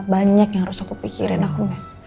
banyak yang harus aku pikirin aku